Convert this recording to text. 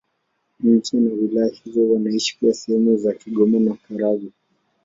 Nje na wilaya hizo wanaishi pia sehemu za Kigoma na Karagwe.